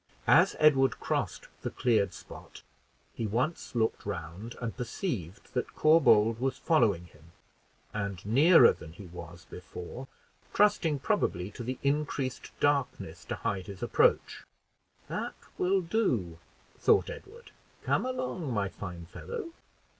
As Edward crossed the cleared spot, he once looked round and perceived that Corbould was following him, and nearer than he was before, trusting probably to the increased darkness to hide his approach. "That will do," thought Edward; "come along, my fine fellow."